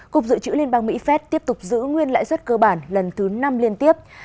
cục dự trữ liên bang mỹ phép tiếp tục giữ nguyên lãi suất cơ bản lần thứ năm liên tiếp